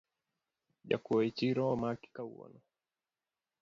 Jokuo echiro omaki kawuono